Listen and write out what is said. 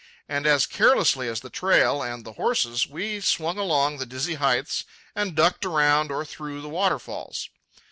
And as carelessly as the trail and the horses, we swung along the dizzy heights and ducked around or through the waterfalls.